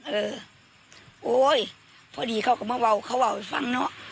เออโอ้ยเพราะดีเขาก็ไม่ว่าเขาว่าไปฟังเนอะ